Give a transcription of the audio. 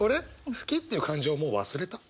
好きっていう感情もう忘れた。